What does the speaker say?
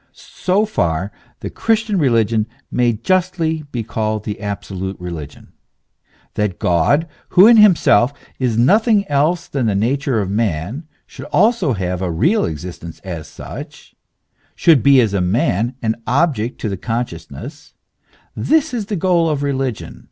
So far the Christian religion may justly be called the absolute religion. That God, who in himself is nothing else than the nature of man, should also have a real existence as such, should be as man an object to the consciousness this is the goal of reli gion.